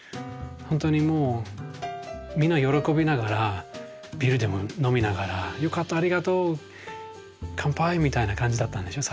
ほんとにもうみんな喜びながらビールでも飲みながら「よかったありがとう乾杯」みたいな感じだったんですよ